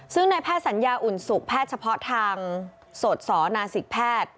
ซึ่งในแพทย์สัญญาอุ่นสุขแพทย์เฉพาะทางสดสนาศิกแพทย์